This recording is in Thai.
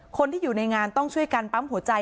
คนที่อยู่ในงานต้องช่วยกันปั๊มหัวใจ